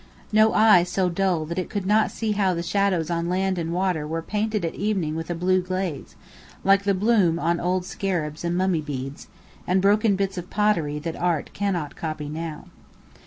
No eye so dull that it could not see how the shadows on land and water were painted at evening with a blue glaze, like the bloom on old scarabs and mummy beads, and broken bits of pottery that art cannot copy now.